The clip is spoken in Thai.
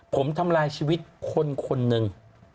ผมทำลายชีวิตคนคนหนึ่ง